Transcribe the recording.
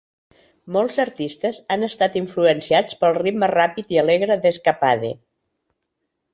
Molts artistes han estat influenciats pel ritme ràpid i alegre d'"Escapade".